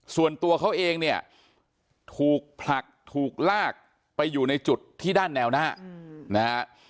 ส่วนตัวเขาเองเนี่ยถูกผลักถูกลากไปอยู่ในจุดที่ด้านแนวหน้านะฮะ